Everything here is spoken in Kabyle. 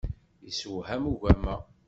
Yessewham ugama.